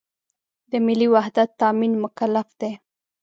د ملي وحدت تأمین مکلف دی.